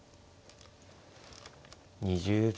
２０秒。